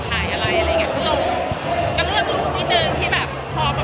จะถ่ายนี่ไม่ใช่